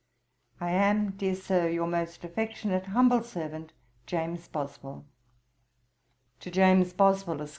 'I am, dear Sir, 'Your most affectionate humble servant, 'JAMES BOSWELL.' 'To JAMES BOSWELL, ESQ.